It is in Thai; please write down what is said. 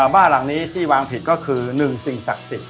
บ้านหลังนี้ที่วางผิดก็คือ๑สิ่งศักดิ์สิทธิ